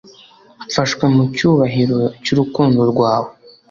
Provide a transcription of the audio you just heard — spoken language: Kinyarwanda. mfashwe mu cyubahiro cy'urukundo rwawe